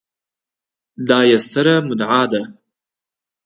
دا يې ستره مدعا ده